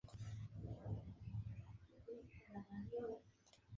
La composición del hielo es actualmente un tema activo de estudio.